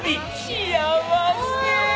幸せ！